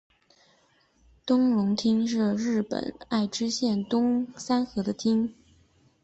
东荣町是日本爱知县东三河的町。